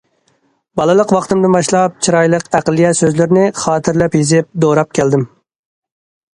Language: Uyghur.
بالىلىق ۋاقتىمدىن باشلاپ چىرايلىق ئەقلىيە سۆزلىرىنى خاتىرىلەپ يېزىپ دوراپ كەلدىم.